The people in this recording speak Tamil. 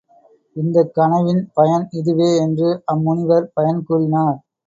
இந்தக் கனவின் பயன் இதுவே என்று அம் முனிவர் பயன் கூறினார்.